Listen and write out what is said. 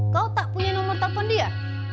kau tak punya nomor telepon dia